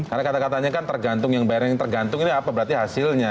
karena kata katanya kan tergantung yang bayar yang tergantung ini apa berarti hasilnya